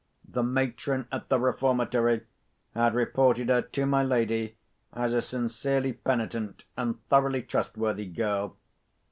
The matron at the Reformatory had reported her to my lady as a sincerely penitent and thoroughly trustworthy girl.